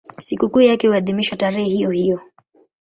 Sikukuu yake huadhimishwa tarehe hiyohiyo.